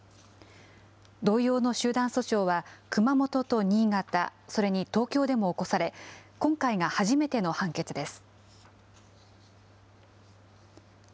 同様の集団訴訟は、熊本と新潟、それに東京でも起こされ、今回が初めての判決です。